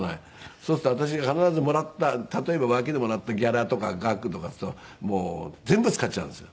そうすると私が必ずもらった例えば脇でもらったギャラとか額とかっていうともう全部使っちゃうんですよ。